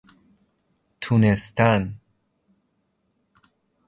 تونستن